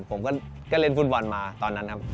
ผมก็เล่นฟุตบอลมาตอนนั้นครับ